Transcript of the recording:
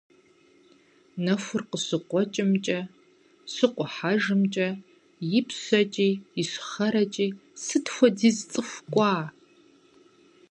Нэхур къыщыкъуэкӀымкӀэ, щыкъухьэжымкӀэ, ипщэкӀи, ищхъэрэкӀи сыт хуэдиз цӀыху кӀуа!